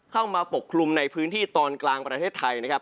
ปกคลุมในพื้นที่ตอนกลางประเทศไทยนะครับ